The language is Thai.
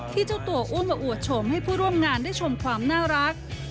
ที่เจ้าตัวอ้วนวะอวดชมให้ผู้ร่วมงานได้ชมความน่ารัก